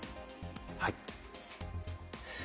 はい。